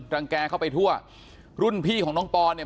แกเข้าไปทั่วรุ่นพี่ของน้องปอนเนี่ย